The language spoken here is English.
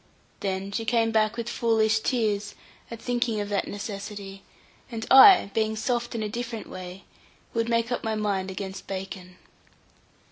Then she came back with foolish tears, at thinking of that necessity; and I, being soft in a different way, would make up my mind against bacon.